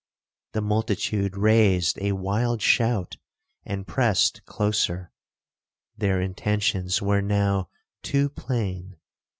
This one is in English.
The multitude raised a wild shout, and pressed closer. Their intentions were now too plain.